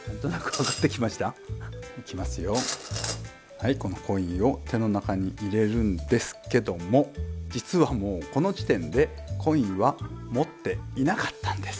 はいこのコインを手の中に入れるんですけども実はもうこの時点でコインは持っていなかったんです。